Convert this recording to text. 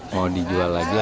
mau dijual lagi